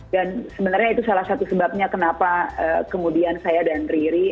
dan sebenarnya itu salah satu sebabnya kenapa kemudian saya dan riri